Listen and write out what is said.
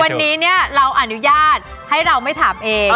วันนี้เราอนุญาตให้เราไม่ถามเอง